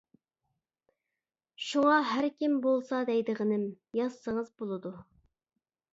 شۇڭا ھەركىم بولسا دەيدىغىنىم، يازسىڭىز بولىدۇ.